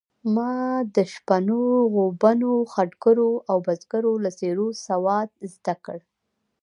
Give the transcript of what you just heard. ما د شپنو، غوبنو، خټګرو او بزګرو له څېرو سواد زده کړ.